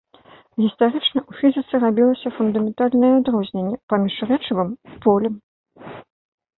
Гістарычна ў фізіцы рабілася фундаментальнае адрозненне паміж рэчывам і полем.